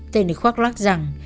tên này khoác lắc rằng